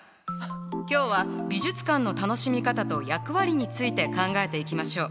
今日は美術館の楽しみ方と役割について考えていきましょう。